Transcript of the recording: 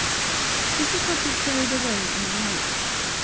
This is what we carried away in a month.